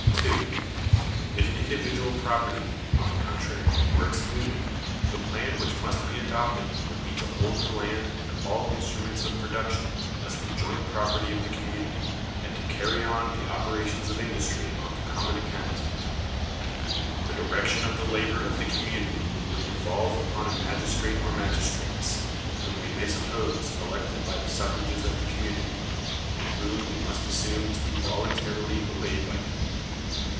(2.) If individual property, on the contrary, were excluded, the plan which must be adopted would be to hold the land and all instruments of production as the joint property of the community, and to carry on the operations of industry on the common account. The direction of the labor of the community would devolve upon a magistrate or magistrates, whom we may suppose elected by the suffrages of the community, and whom we must assume to be voluntarily obeyed by them.